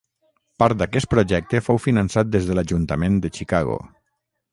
Part d'aquest projecte fou finançat des de l'ajuntament de Chicago.